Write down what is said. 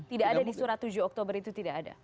tidak ada di surat tujuh oktober itu tidak ada